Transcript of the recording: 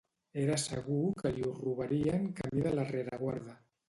Era segur que li ho robarien camí de la rereguarda.